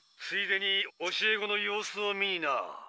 ついでに教え子の様子を見にな。